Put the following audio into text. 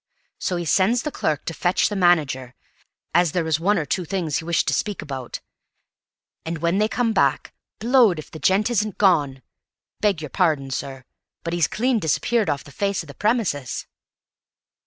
So he sends the clurk to fetch the manager, as there was one or two things he wished to speak about; an' when they come back, blowed if the gent isn't gone! Beg yer pardon, sir, but he's clean disappeared off the face o' the premises!"